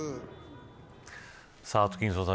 アトキンソンさん